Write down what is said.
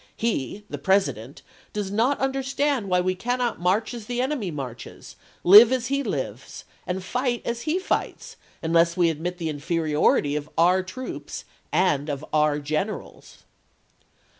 He [the President] does not understand oc??9 "862. why we cannot march as the enemy marches, live Vol! x^i., as he lives, and fight as he fights, unless we admit the p!^626." inferiority of our troops and of our generals."